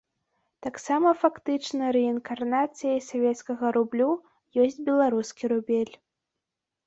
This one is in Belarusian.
Таксама фактычна рэінкарнацыяй савецкага рублю ёсць беларускі рубель.